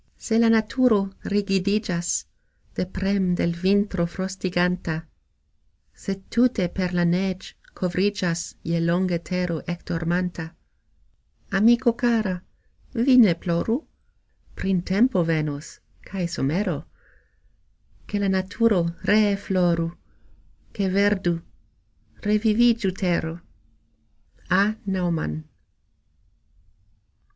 Se la naturo rigidigxas De prem' de l' vintro frostiganta, Se tute per la negx' kovrigxas Je longe tero ekdormanta, Amiko kara! vi ne ploru: Printempo venos kaj somero, Ke la naturo ree floru, Ke verdu, revivigxu tero. A. NAUMANN.